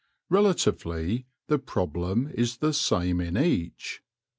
Relatively, the problem is the same in each.